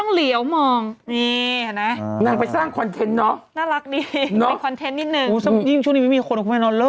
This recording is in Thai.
นั่งไปสร้างคอนเทนต์เนาะ